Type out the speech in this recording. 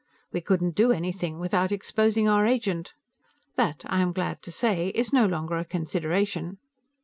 We couldn't do anything without exposing our agent. That, I am glad to say, is no longer a consideration."